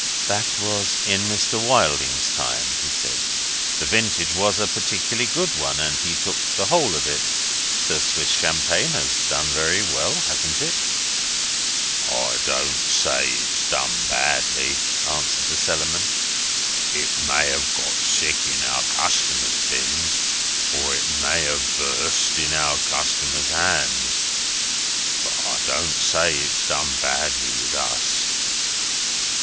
"That was in Mr. Wilding's time," he said. "The vintage was a particularly good one, and he took the whole of it. The Swiss champagne has done very well, hasn't it?" "I don't say it's done badly," answered the Cellarman. "It may have got sick in our customers' bins, or it may have bust in our customers' hands. But I don't say it's done badly with us."